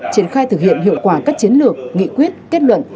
triển khai thực hiện hiệu quả các chiến lược nghị quyết kết luận